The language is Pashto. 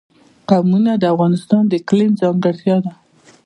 قومونه د افغانستان د اقلیم ځانګړتیا ده.